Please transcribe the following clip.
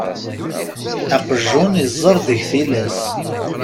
Aqjun iẓerr deg tillas.